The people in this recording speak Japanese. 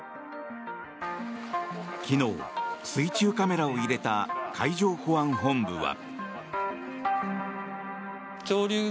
昨日、水中カメラを入れた海上保安本部は。